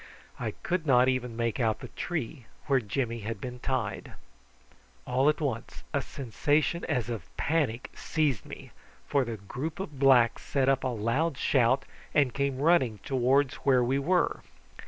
I could not even make out the tree where Jimmy had been tied. All at once a sensation as of panic seized me, for the group of blacks set up a loud shout, and came running towards where we were.